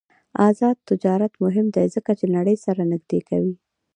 آزاد تجارت مهم دی ځکه چې نړۍ سره نږدې کوي.